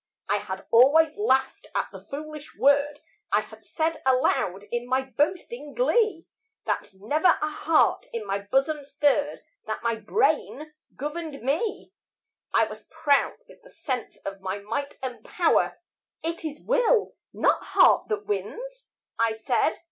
I had always laughed at the foolish word; I had said aloud in my boasting glee, That never a heart in my bosom stirred, That my brain governed me. I was proud with the sense of my might and power 'It is will, not heart that wins,' I said.